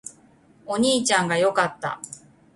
お兄ちゃんが良かった